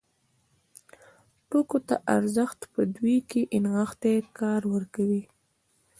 توکو ته ارزښت په دوی کې نغښتی کار ورکوي.